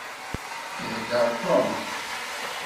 Iheddeṛ Tom.